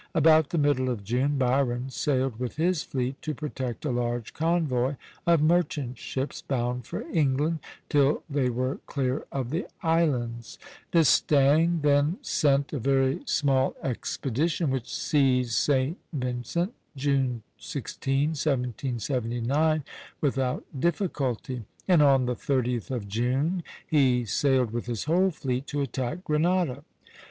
About the middle of June, Byron sailed with his fleet to protect a large convoy of merchant ships, bound for England, till they were clear of the islands. D'Estaing then sent a very small expedition which seized St. Vincent, June 16, 1779, without difficulty; and on the 30th of June he sailed with his whole fleet to attack Grenada.